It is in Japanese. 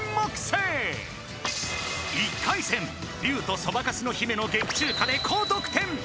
［１回戦『竜とそばかすの姫』の劇中歌で高得点］